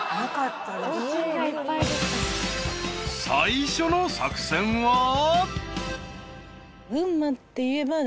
［最初の作戦は］